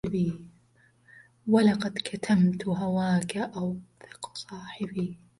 ولقد كتمت هواك أوثق صاحب